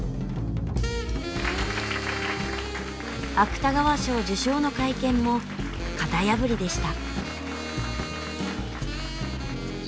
芥川賞受賞の会見も型破りでした。